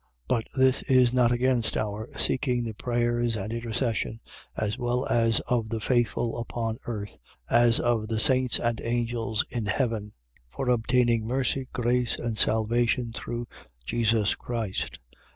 But this is not against our seeking the prayers and intercession, as well of the faithful upon earth, as of the saints and angels in heaven, for obtaining mercy, grace, and salvation, through Jesus Christ.